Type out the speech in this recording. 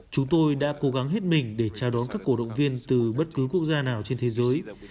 chúng tôi đã cố gắng hết mình để chào đón các cổ động viên từ bất cứ quốc gia nào trên thế giới